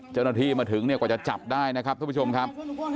เจ้าหน้าที่มาถึงเนี่ยกว่าจะจับได้นะครับทุกผู้ชมครับ